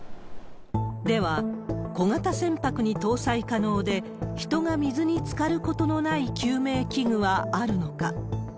では、小型船舶に搭載可能で人が水につかることのない救命器具はあるのか。